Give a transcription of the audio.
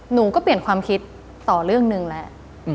หนูก็เปลี่ยนความคิดต่อเรื่องหนึ่งแล้ว